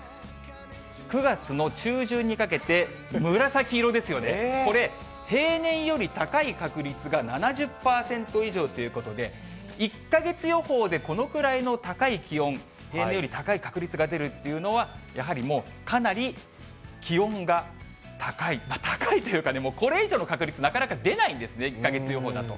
９月の中旬にかけて紫色ですよね、これ、平年より高い確率が７０％以上ということで、１か月予報でこのくらいの高い気温、平年より高い確率が出るというのは、やはりもうかなり気温が高い、高いというかね、もうこれ以上の確率、出ないんですね、１か月予報だと。